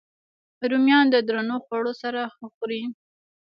رومیان د درنو خوړو سره ښه خوري